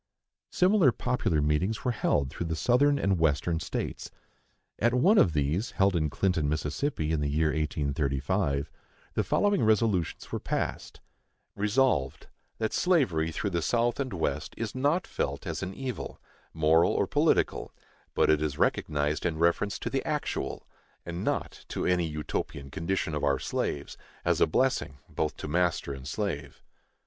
Similar popular meetings were held through the Southern and Western States. At one of these, held in Clinton, Mississippi, in the year 1835, the following resolutions were passed: Resolved, That slavery through the South and West is not felt as an evil, moral or political, but it is recognized in reference to the actual, and not to any Utopian condition of our slaves, as a blessing both to master and slave.